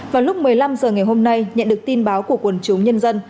vào lúc một mươi năm h ngày hôm nay nhận được tin báo của quần chúng nhân dân